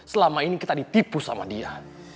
selama ini kita ditipu sama dia